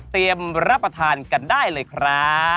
เตรียมรับประทานกันได้เลยครับ